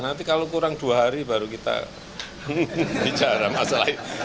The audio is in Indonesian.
nanti kalau kurang dua hari baru kita bicara masalah itu